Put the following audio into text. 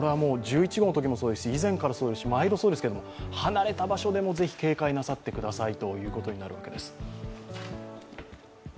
１１号のときもそうですし、以前からそうですし毎度うですけれども、離れた場所でも、ぜひ警戒なさってください。